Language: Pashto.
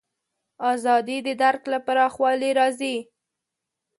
ازادي د درک له پراخوالي راځي.